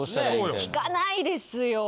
聞かないですよ。